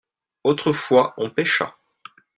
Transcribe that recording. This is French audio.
autrefois on pêcha.